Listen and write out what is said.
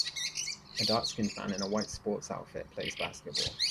A darkskinned man in a white sports outfit plays basketball.